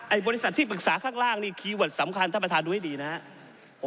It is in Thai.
บริษัทที่ปรึกษาข้างล่างนี่คีย์เวิร์ดสำคัญท่านประธานดูให้ดีนะครับ